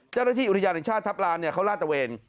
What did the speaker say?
เจ้าหน้าที่อุทิญาณในชาติทัพลานเขาร่าเจาเอง